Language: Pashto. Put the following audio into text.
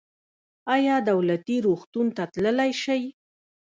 ایا دولتي روغتون ته تللی شئ؟